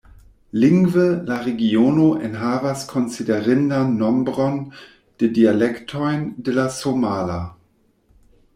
Lingve, la regiono enhavas konsiderindan nombron de dialektojn de la somala.